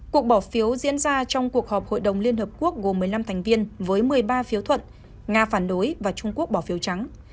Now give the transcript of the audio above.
cuộc bỏ phiếu diễn ra trong cuộc họp hội đồng liên hợp quốc gồm một mươi năm thành viên với một mươi ba phiếu thuận nga phản đối và trung quốc bỏ phiếu trắng